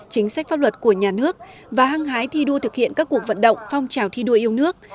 chính sách pháp luật của nhà nước và hăng hái thi đua thực hiện các cuộc vận động phong trào thi đua yêu nước